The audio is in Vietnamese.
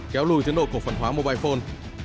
kéo lùi tiến độ cổ phần hóa mobile phone